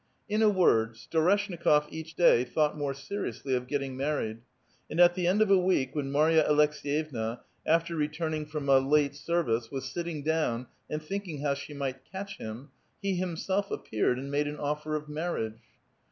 In a word, Storeshnikof each day thought more seriously of getting married, and at the end of a week, when Marya Aleks^yevna, after returning from a late service, was sitting down and thinking how she might catch him, he himself ap peared, and made an ofler of marriage